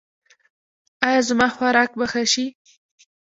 ایا زما خوراک به ښه شي؟